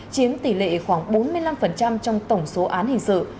chiếm tỷ lệ khoảng bốn mươi năm trong tổng số án hình sự